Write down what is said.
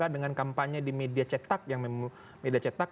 dengan kampanye di media cetak